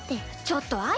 ちょっと絢！